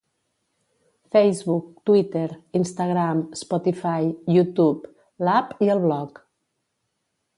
Facebook, Twitter, Instagram, Spotify, Youtube, l'app i el blog.